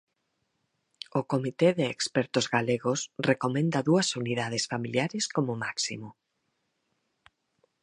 O comité de expertos galegos recomenda dúas unidades familiares como máximo.